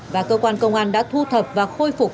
và cơ quan công an đã thu thập và khôi phục